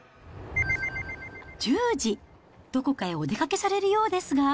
１０時、どこかへお出かけされるようですが。